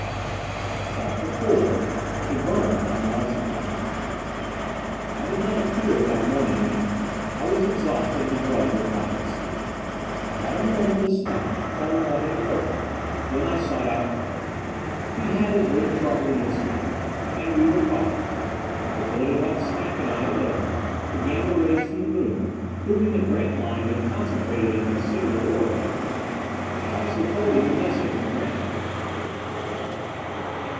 CHAPTER IV A Burn on a Martian Arm I did not appear at that morning meal. I was exhausted and drugged with lack of sleep. I had a moment with Snap, to tell him what had occurred. Then I sought out Carter. He had his little chart room insulated. And we were cautious. I told him what Snap and I had learned: the Gamma rays from the moon, proving that Grantline had concentrated a considerable ore body. I also told him the message from Grantline.